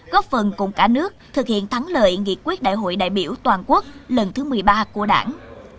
góp phần cùng cả nước thực hiện thắng lợi nghị quyết đại hội đại biểu toàn quốc lần thứ một mươi ba của đảng